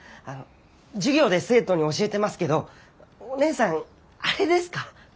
あの授業で生徒に教えてますけどお姉さんあれですか？